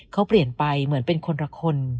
เขาเปลี่ยนไปเหมือนเป็นคนละคน